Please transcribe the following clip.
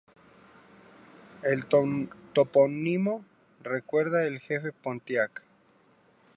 El topónimo recuerda el Jefe Pontiac.